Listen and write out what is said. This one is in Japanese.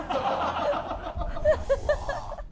ハハハハ！